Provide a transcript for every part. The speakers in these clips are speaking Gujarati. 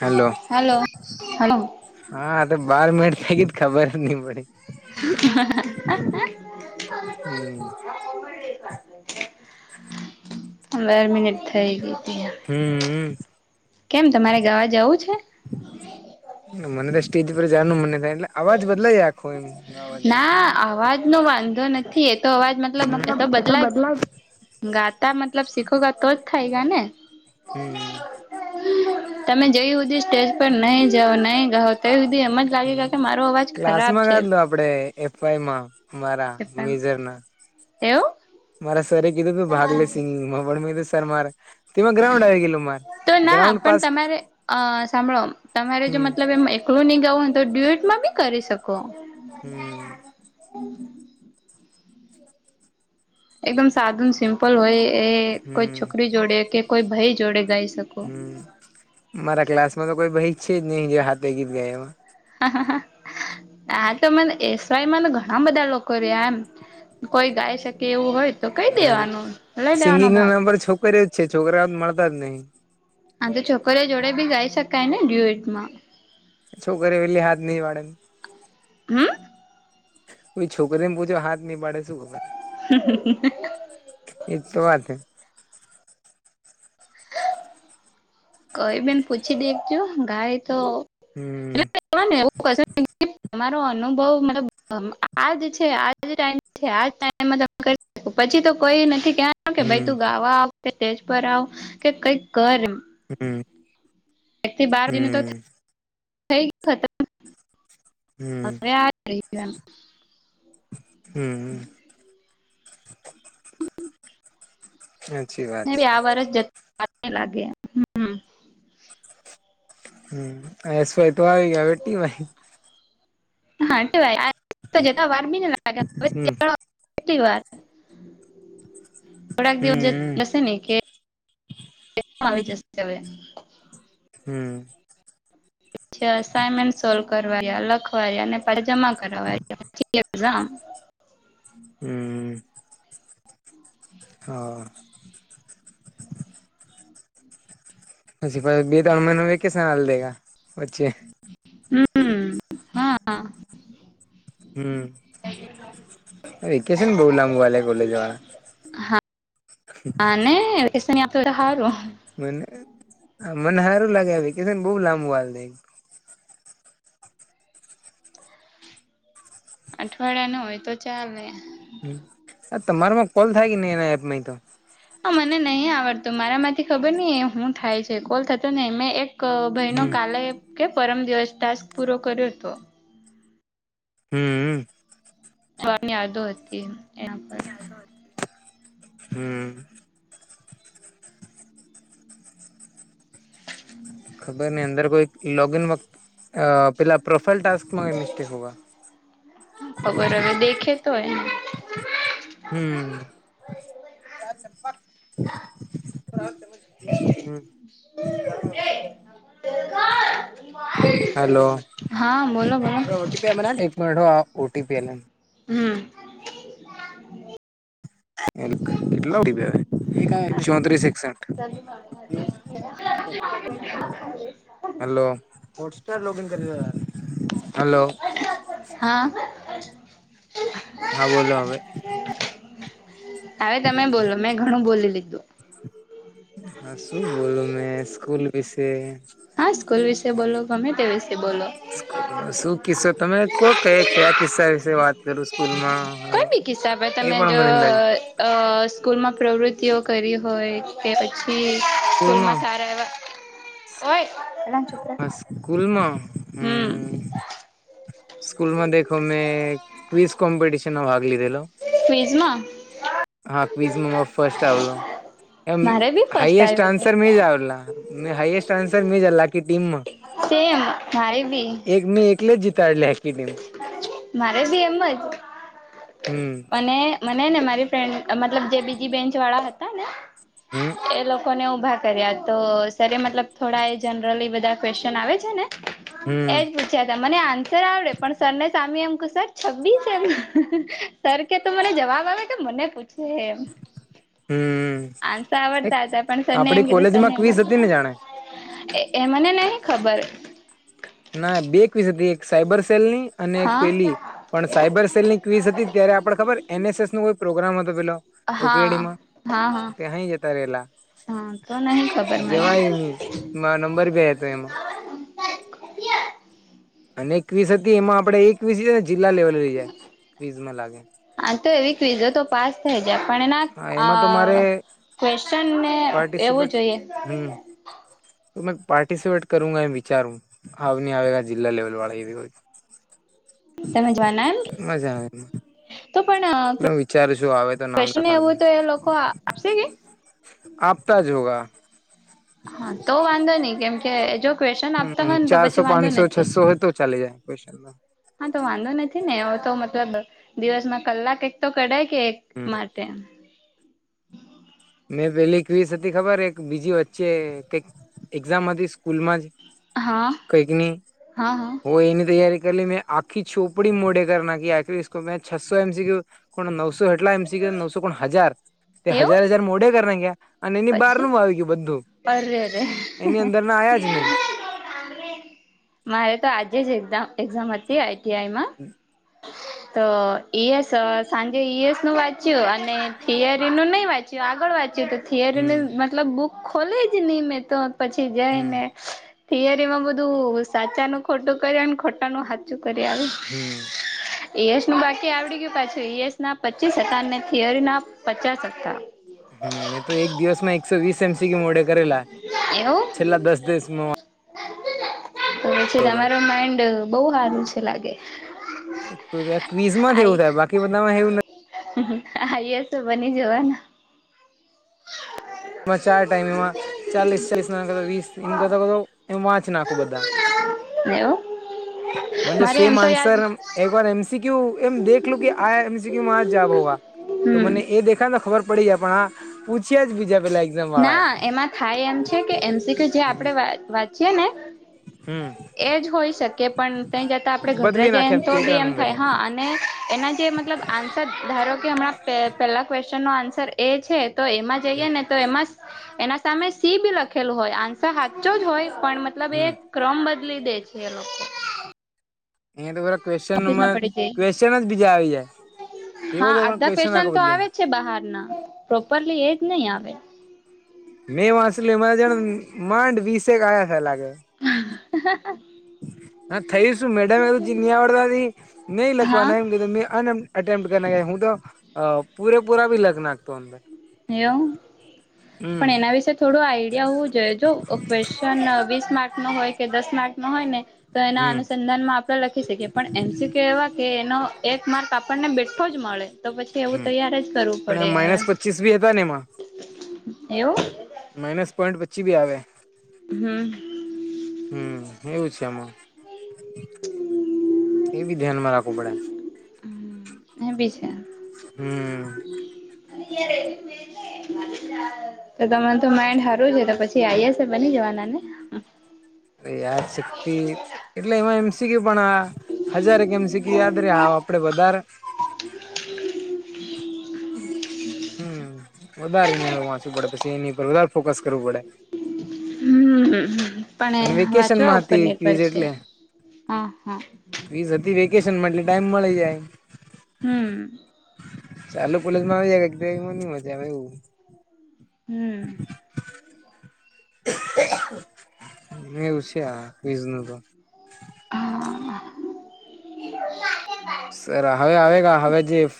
હલો. હલો હા તો બાર મિનિટ થી ગી તો ખબર જ ની પડી. હમ [inaudible] બે મિનિટ થઇ ગી તી. હમમ. કેમ તમારે ગાવા જવું છે? મને તો સ્ટેજ પર જવાનું મને થાય એટલે અવાજ બદલાય આખો એમ. અવાજ એમ ના અવાજ નો વાંધો નથી, એતો અવાજ મતલબ એતો એ તો બદલાય. બદલા જ ગાતા મતલબ સીખોગા તો જ થયગા ને. હમ્મ. તમે જય હુધી સ્ટેજ પર નય જાઓ નય જાવો ત્ય સુધી એમજ લાગે ગ હમ કે મારો અવાજ ખરાબ ક્લાસમાં છે. ગાધલો આપડે એફ આઈ માં મારા મેજર ના. એવું મારા સર એ કીધું તું ભાગ લે સિંગિંગમાં પણ મે કીધું સર મારે તેમાં ગ્રાઉન્ડ આવી ગયેલું મારે તો ના ગ્રાઉન્ડ પણ પાસ તમારે અહ સાંભળો તમારે જો હમ મતલબ એમ કોરું નહીં ગાવું હોય તો ડ્યુએટમાં બી કરી શકો. હમ્મ. એકદમ સાધુ સિમ્પલ હોય એ કોઈ હમ છોકરી જોડે કે કોઈ ભાઈ જોડે ગાઈ શક હમ્મ, મારા ક્લાસમાં તો કોઈ ભાઈ છે જ નહી જે હાથે ગીત ગાએવા. આ તો મન એસ વાયમાં ઘણા બધા લોકો રહ્યા એમ. કોઈ ગાઈ શકે એવું હોય તો કઈ હા દેવાનું લઈ સિંગિંગ લેવાનો નો ભાગ. નંબર છોકરી જ છે છોકરા મળતા જ નહી. હા તો છોકરી જોડે ભી ગાય શકાય ને ડ્યુટ માં. છોકરી એેલી હાથ નહીં વાડેન. હમ્મ. કોઈ છોકરીને પૂછો હાથ ની પાડે શું ખબર. એજ તો વાત હે. કઈ બેન પૂછી દેખજું ગાય તો હમ્મ એ [inaudible] તમારો અનુભવ મતલબ આમ આજ છે આજ ટાઇમ છે આજ ટાઇમ [inaudible] પછી તો કોઈ નથી કહેવાનું કે ભાઈ હમ્મ તું ગાવા આવ કે ટેજ પર આવ કે કઈક કર એમ. હમ્મ. એક થી બાર જને તો હમ્મ થઈ [inaudible] હમ્મ હરે આ ગઈ એમ. હમ્મ, હમ્મ. હાચી વા ને બી આ વર્ષ જે [inaudible] લાગે. હમ હમ્મ, એ સેટ વાઈ હવે ટી વાઈ. [inaudible] કેટલી હમ્મ વાર થોડાક દિવસ હમ્મ જશે ને કે કે ના આવી જશે હવે. હમ્મ. જે અસાઈમેન્ટ સોલ્વ કરવા લખવા પાછ જમા કરવાય પછી એક્ઝામ. હમ્મ. હા. પછી પાએ બે ત્રણ મહિનો વેકેશન આલ દેગા વચ્છે. હમ્મ, હા હા. હમ્મ. [unintelligible] વેકેશન બહુ લાંબુ વાલે કોલેજ વાળા. હા ને [inaudible] હારું. મને મને હારું લાગે આ વેકેશન બઉુ લાંબુ આલ દે. અઠવાડિયા નો હોય તો ચાલે. હમ્મ. આ તમારા માં કોલ થાય કે નહી એના એપ માંય તો. હા મને નહીં આવડતું મારામાંથી ખબર નઈ હું થાય છે કોલ થતો નહીં. મેં એક ક ભઈનો હમ કાલે કે પરમ દિવસ ટાસ્ક પૂરો કર્યો તો. હમ્મ અમ્મ. વા ની યાદો હતી યા પર. હા હમ ખબર નહીં અંદર કોઈ લોગઇન વત અહ પેલા પ્રોફાઈલ ટાસ્ક ખબર હવે દેખે તો હોયને. હમ્મ. હમ્મ. [inaudible] હા બોલો બોલો હલો ઓપી એક મ ઓટીપી એ હમ કેટલા ઉડી ચોત્રીસે [inaudible] કરી હલો હા હા બોલો હવે હવે તમે બોલો મેં ઘણું બોલી લીધું હા શું બોલું મેં સ્કૂલ વિશે હા સ્કૂલ વિશે બોલો ગમે તે વિશે બોલો સ્કૂલ ન શું કિસ્સો તમે કો ક કયા કિસ્સા વિશે વાત કરું સ્કૂલમાં હવે હિસાબે એ તમે પણ મને અંદાજ જો સ્કૂલમાં પ્રવૃત્તિઓ કરી હોય કે પછી સ્કૂલમાં સારા એવા હોય એલા છૂકરા કલમ હ સ્કૂલમાં દેખો મેં ક્વીઝ કોમ્પિટશનમાં ભાગ લીધેલો ફિઝમા હા ક્વિઝમાં ફસ્ટ આવેલો એ મારે બી ફર્સ્ટ હાાઈએસ્ટ આવ્યો હતો આન્સર મે જ હાએસ્ટ આન્સર મે જાલલા ટીમ માં સેમ મારે બી એક મે એકલે જ જીતા એટલેી ટીમ મારે ભી એમ જ હમ અને મને ને મારી ફ્રેન્ડ મતલબ જે બીજી બેન્ચ વાળા હતા ને હમ એ લોકોને ઉઊભા કર્યા તો સર મતલબ થોડા એ જનરલી બધા ક્વેશ્ચન આવે છે ને હમ એજ અચછા મને આન્સર આવડે પણ સરને સામેી એમ ક સર છ્ીસ એમ સર કે તો મને જવાબ આવે કે મને પૂછે એમ હમ આસ આવડતા હતા પણ સર આપડી નેમ ગેધ કોલેજમાં સરનેમ ક્વીઝ હતી ને જાણે એ મને નહ ખબર ના બે એક વિસ એક સાયબર સેલ ની અને એક પેલી હા પણ સાયબર સેલની ક્વીઝ હતી ત્યારે આપડ ખબર એનએસએસ નો કોઈ પ્રોગ્રામ હતો પેલો હા ઉકેડીમાં હા હા ત્યાંય જતા રહેેલા હા તો નહી ખબર મને જવાય નહી મા નંબર ભ હતો એમાં અને ક્વીસ હતી એમાં આપડે એકવીસ ને જિલ્લા લેવલે લઈ જાય ક્વીઝમાં લાગે હા તો એવી ક્ઝો તો પાસ થઈ જાય પણ હા એના એમાં તો મારે ક્વેશ્ચનને એવું પાર્ટિસિપેટ જોઈએ હમ તો મે પાર્ટિસિપેટ કરુંા વિચારું હ ન આવેગ જિલ્લા લેવલ વાળા તમે જોવાના એમ મજા આવે એમાં તો પણ તો નામ કન લખાડ એવું હોય દું તો એ લોકો આપશે કે આપફતા જ હોગ હા તો વાંધો નહી કેમકે જો ક્વેશન આપતા હમ હોય ને તો ચારસો પછી વાંધો પાંચસો નથી. છસો હોય તો ચાલી જાય ક્વેશ્ચનમાં હા તો વાંધો નથી ને એ તો મતલબ દિવસમાં કલાક એક તો કઢાય કે એક હમ તેમ મેં પેલી ક્વીિસ હતી ખબર એક બીજી વચ્ચે ક એક્ઝામ હતી સ્કૂલ માં જ હા કંકની હા હા હો એની તૈયારી કરીલી મેં આ ખી છોપડી મોઢે કર નાકી આખી મે છસો એમ સી કો નવસો હેટલા એમ સી કે નવસો કોણ હજાર તે એવું હજાર હજાર મોડે કરનાગ્યા? અને એની બહાર પછી નું આવી ગયું બધું, અરે રે એની અંદર ના આયા જ નહી. મારે તો આજે જ એક્સા એક્ઝામ હતી આઈ ટી આઈમાં. તો ઈ એસ સાંજે ઈ એસ નું વાંચ્યું અને થિયરીનું નહીં વાંચ્યું આગળ વાંચ્યું તો. થિયરી હમ મતલબ બુક ખોલે જ નહી મેં તો પછી જાય હમ ને. થિયરી માં બધું સાચાનું ખોટું કરને ખોટાનું સાચું કરી આવે. હમ્મ. ઈ એસ નું બાકી આવડી ગયું પાછું ઈ એસ ના પચીસ હતા ને થિયરી ના પચાસ હતા. હમ્મ, મેં તો એક દિવસમાં એકસો વીસ એમ સી મોડે કરેલા, એવું છેલ્લા દસ દિવસમાં. તો પછી તમારો માઈન્ડ બહુ સારું છે લાગે. ક્વીઝ માં એવું થાય બાકી બધામાં એવું નથ હા એ તો બની જોવાનું. એમાં ચાર ટાઈમ એમાં ચાલીસ ચાલીસ ના કર વીસ એમ કર એમાં નાખુ બધા. એવું અને મારે સેમ એમ તો આન્સર યાદ એક વાર એમ સી ક્યુ એમ દેખલું કે આ એમ સી ક્યુ માં આ જ ભવા તો હમ મને એ દેખા ને ખબર પડી ગયાં પણ આ પૂછીયા જ બીજા પેલાઈ ના એમાં થાય એમ છે કે એમ સી ક્યુ કે જે આપણે વાંચીએ ને હમ્મ. એજ હોય શકે પણ તઈ જતા આપડે બદલી ગભરાય જાય નાખે તો પેટન બી એમ થાય અંદરની હા અને એના જે મ મતલબ આન્સર ધારો કે હમણાં પે પેલા ક્વેશ્ચન નો આન્સર એ છે તો એમાં જઈએ ને તો એમાં એના સામે સી બી લખેલું હોય આન્સર હાચો જ હોય પણ મતલબ હમ એ ક્રમ બદલી દે છે એ લોકો. અહીંયા તો બરા ઓફિસમાં ક્વેશ્ચનમાં પડી જાય છે ક્વેશ્ચન જ બીજા આવી જાય. એવો હા તો પણ અધા ક્વેશ્ચન આખો કેશન્ટ તો બદલીને આવે છે બહારના પ્રોપરલી એ જ નહી આવે. મેં વાંસલી મારે જ માંડ વિસે ગયા થા લાગે. હા હા થઈ શું મેડમ એ તો નિ આવડતા ની હા લખવાના એમ કે મે અટેમ્પ્ટ કર હું તો અ પૂરેપૂરા ભી લખનાખુ અંદર. એમ? હમ પણ એના વિશે થોડું આઈડિયા હોવું જોઈએ જો ક્વેશ શન વીસ માર્ક ન હોય કે દસ માર્ક નો હોય ને તો એના હમ અનુસંધાનમાં લખી શકીએ પણ એમ સી ક્યુ એવા કે એનો એક માર્ક આપણને બેઠો જ મળે. તો પછી એવું તૈયાર જ કરવું પડે એને. સીસવી હતા ન એમાં? એવું? માઇનસ પોઈન્ટ પચી બી આવે. હમ્મ. હમ્મ, હું છે આમાં? [unintelligible] એ બી ધ્યાનમાં રાખવું પડે. હું બી છે હમ્મ. હમ્મ. [inaudible] તો તમાર તો માઇન્ડ હારું રે છે તો પછી આઈ એ એસ બની જવાના ને? અરે યાદ શક્તિ એટલે એમાં એમ સી ક્યુ પણ આ હજારેક એમ સી ક્યુ યાદ રે આપડે વધારે હમ્મવધારે ને વાંચવું પડે પછી એની પર વધારે ફોકસ કરવું પડે. હમ્મ અને પણ વાંચવા વેકેશનમાં ઉપર હતી નિર્ભર ક્વીઝ છે હ હા. ફ્રીઝ હતી વેકેશન માં એટલે ટાઈમ મળી જાય. હમ્મ. ચાલુ કોલેજમાં આવી જમાં ન મજા આવે એવું હમ્મ. એવું છે આ વીઝ ન તો. હમ્મ. સર હવે આવે ગા હવે જે એફ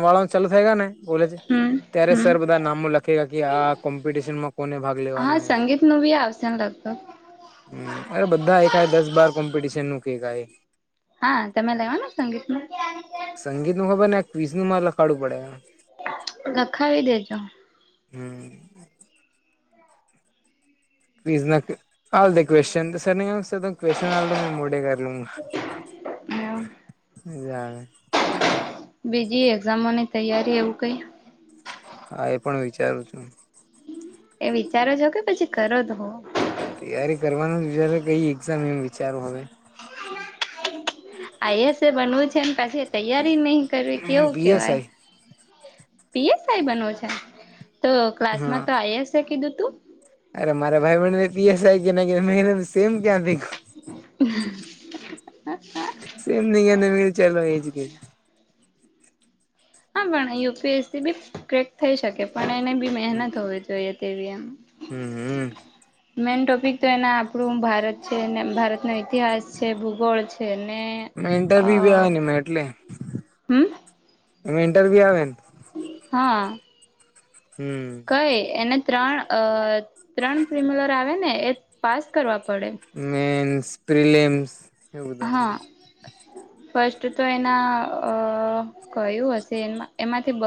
વાળા ચાલુ થાય કોલેજ. હમ ત્યારે હમ સર બધા નામો લખે ગ કે આ કોમ્પિટિશનમાં. કોને ભાગ લેવાનો હા એવું સંગીત નું બી આવશે ને લગભગ. હમ્મ અ બધા એકાય દસ બાર કોમ્પિટિશન નું કકાય હા તમે લેવાનું સંગીતમાં? સંગીત નું ખબર ને એક ક્વીઝ નું મારે લખાડું પડે. લખાવી દેજો. [inaudible] પઝ હલ દે ક્વેશ્ચન સર ન ક્વેશ્ચન હલ મેં મોઢે કર લુ અ. બીજી એક્ઝામોની તૈયારી એવું કઈ? હા એ પણ વિચારું છું. એ વિચારો છો કે પછી કરો તો હો? તૈયારી કરવાનું જ વિચ કઈ એક્ઝામ એમ વિચારો હવે. [inaudible] આઈ સે બનવું છે ને પછી તૈયારી નહી કરવી કેવું કેવાય પીએસઆઈ પીએસઈ બનોવ છે? તો હા ક્લાસમાં તો આઈ શે કીધું તું. અરે મારા ભાઈ બ ને પીએસાય કે ના કે મહેનત સેમ ક્યાં થઈુ. [inaudible] હા સેમ ન એને મ ચાલ એજ કે. હા પણ યુપીએસસી બી ક્રેક થઈ શકે પણ એને બી મહેનત હોવી જોઈએ તેવી એમ. હમ્મ હમ્મ. મેન ટોપિક તો એના આપણું ભારત છે ભારતનો ઈતિહાસ છે ભૂગોળ છે ને. અ ઈન્ટરવ્ય ભી આવે ને એટલે હમ એ ઈન્ટરવી્ય આવે? હા. હમ્મ. કઈ એને ત્રણ ત્રણ પ્રિમ્યુલર આવે ને એ પાસ કરવા પડે. મેન્સ પ્રલેમ્સ. હા. [inaudible] ફર્સ્ટ તો એના અ કયું હશે એ એમાંથી બ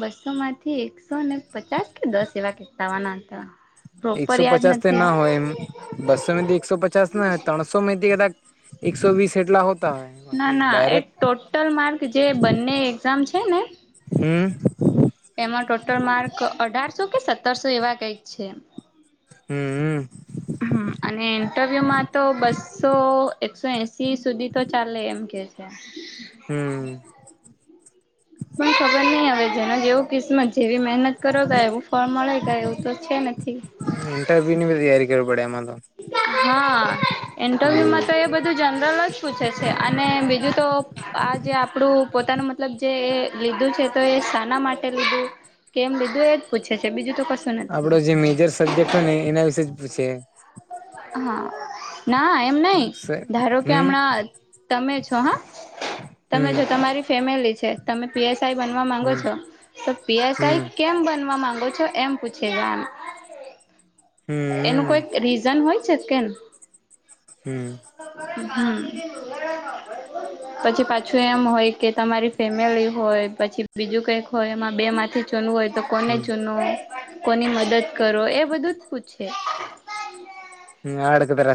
બસો માંથી એકસો ને પચાસ કે દસ એવા કતાવાના હતા. પ્રોપર એકસો યાદ પચાસ નથી ના હોય એમ. બસોમાંથી એકસો પચાસ ના ત્રણસો થી કા એકસો વીસ એટલા હો. ના ના એ ટોટલ માર્ક જે બંને એક્ઝામ છે ને. હમ. એમાં ટોટલ માર્ક અઢારસો કે સત્તરસો એવા કઈક છે. હમ. હમ્મ. હમ અને ઇન્ટરવ્યુ માં તો બસ્સો. એકસો એસી સુધી તો ચાલે એમ કે છે. હમ્મ. પણ ખબર નહ હવે જેનો જેવું કિસ્મત જેવી. મહેનત કરો ગાય એવું ફળ મળે ગાય એવું તો છે નથી. ઇન્ટરવ્યુ ની બધી તૈયારી કરવી પડે એમાં તો. હા હમ ઇન્ટરવ્યૂમાં તો એ બધું જનરલ જ પૂછે છે. અને બીજું તો આ જે આપણું પોતાનું મતલબ જે એ લીધું છે, તો એ શના માટે લીધું કેમ લીધું એજ પૂછે છે, બીજું તો કશું નથી. આપડો જે મેજર સબ્જેક્ટ હોય ને એના વિશેે જ પૂછે. હા, ના એમ નઈ ધારો કે હમ હમણાં તમે છો હા. તમે હમ જો તમારી ફેમિલી છે. તમે પી એસ આઈ બનવા માંગો હમ છો, તો પી એસ આઈ હમ કેમ બનવા માંગો છો. એમ પૂછે, ગવા એનું કોઈક રીઝન હોય છે કેમ. હમ. હમ, પછી પાછું એમ હોય કે તમારી ફેમિલી હોય પછી બીજું કઈક હોય એમાં બે માંથી ચૂનવું હોય તો કોને ચૂનો કોની મદદ કરો એ બધું જ પૂછે. હમ આડક ભરાસ [unintelligible]